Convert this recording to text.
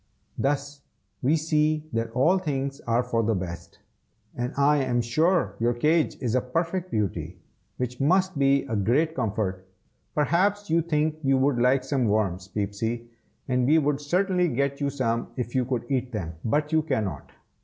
Thus we see that all things are for the best! and I am sure your cage is a perfect beauty, which must be a great comfort. Perhaps you think you would like some worms, Peepsy; and we would certainly get you some if you could eat them, but you cannot.